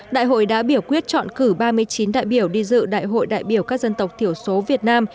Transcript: đại hội đã biểu quyết chọn cử ba mươi chín đại biểu đi dự đại hội đại biểu các dân tộc thiểu số việt nam